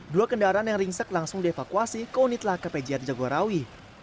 dua kendaraan yang ringsek langsung dievakuasi ke unit lhkpjr jaguarawi